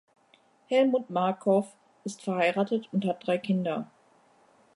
Helmuth Markov ist verheiratet und hat drei Kinder.